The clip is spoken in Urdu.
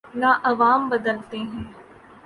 نہ عوام بدلتے ہیں۔